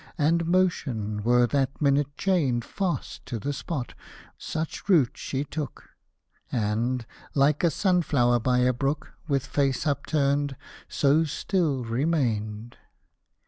And motion were that minute chained Fast to the spot, such root she took. And — like a sunflower by a brook. With face upturned — so still remained